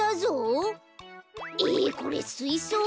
えこれすいそう？ん？